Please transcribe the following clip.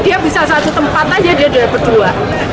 dia bisa satu tempat aja dia dapat dua